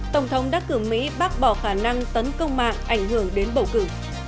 tổng thống đắc cử mỹ bác bỏ khả năng tấn công mạng ảnh hưởng đến bầu cử